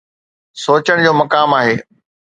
سوچڻ جو مقام آهي.